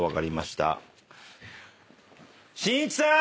しんいちさん！